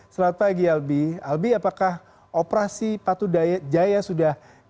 selamat pagi albi albi apakah operasi patu jaya sudah dilakukan